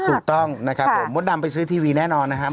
ถูกต้องนะครับผมมดดำไปซื้อทีวีแน่นอนนะครับ